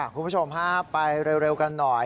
คุณผู้ชมฮะไปเร็วกันหน่อย